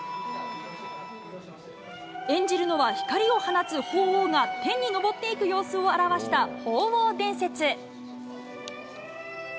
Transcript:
演じるのは光を放つほうおうが、天に昇っていく様子を表したほうおう伝説。